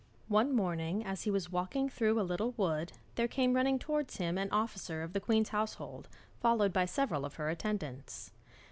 One morning as he was walking through a little wood there came running towards him an officer of the queen's household, followed by several of her attendants.